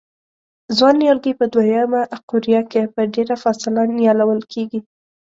ځوان نیالګي په دوه یمه قوریه کې په ډېره فاصله نیالول کېږي.